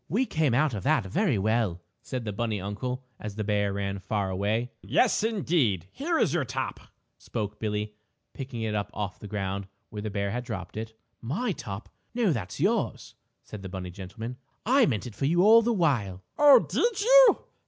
"We came out of that very well," said the bunny uncle as the bear ran far away. "Yes, indeed, and here is your top," spoke Billie, picking it up off the ground where the bear had dropped it. "My top? No that's yours," said the bunny gentleman. "I meant it for you all the while." "Oh, did you?